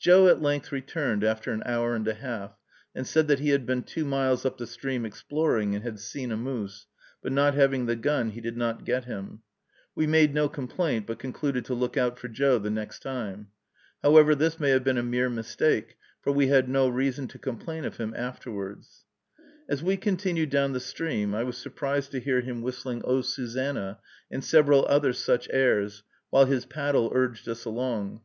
Joe at length returned, after an hour and a half, and said that he had been two miles up the stream exploring, and had seen a moose, but, not having the gun, he did not get him. We made no complaint, but concluded to look out for Joe the next time. However, this may have been a mere mistake, for we had no reason to complain of him afterwards. As we continued down the stream, I was surprised to hear him whistling "O Susanna" and several other such airs, while his paddle urged us along.